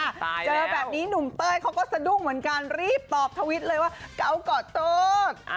เจอแบบนี้หนุ่มเต้ยเขาก็สะดุ้งเหมือนกันรีบตอบทวิตเลยว่าเกาก่อโต